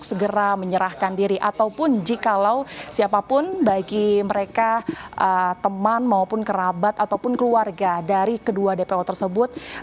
segera menyerahkan diri ataupun jikalau siapapun bagi mereka teman maupun kerabat ataupun keluarga dari kedua dpo tersebut